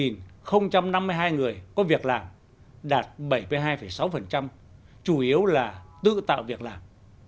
sáu mươi bảy năm mươi hai người có việc làm đạt bảy mươi hai sáu chủ yếu là tự tạo việc làm